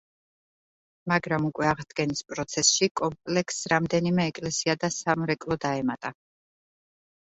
მაგრამ უკვე აღდგენის პროცესში, კომპლექსს რამდენიმე ეკლესია და სამრეკლო დაემატა.